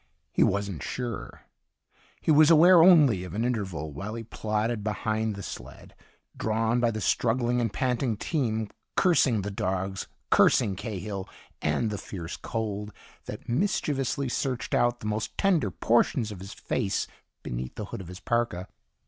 He wasn't sure. He was aware only of an interval while he plodded behind the sled, drawn by the struggling and panting team, cursing the dogs, cursing Cahill and the fierce cold that mischievously searched out the most tender portions of his face beneath the hood of his parka.